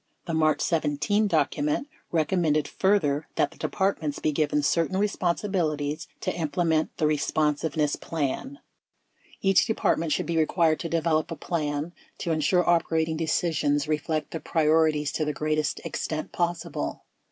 22 The March 17 document recommended further that the Departments be given certain responsibilities to implement the responsiveness plan. Each Department should be required to develop a plan to insure operating decisions reflect the priorities to the greatest extent possible.